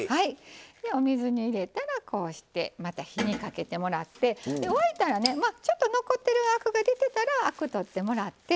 お水に入れたらこうしてまた火にかけてもらって沸いたらちょっと残ってるアクが出てたらアク取ってもらって。